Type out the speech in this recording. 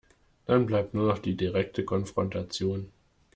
Dann bleibt nur noch die direkte Konfrontation.